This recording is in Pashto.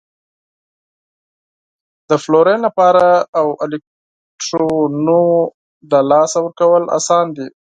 د فلورین لپاره اوو الکترونو د لاسه ورکول اسان دي؟